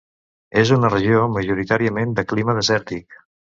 És una regió majoritàriament de clima desèrtic.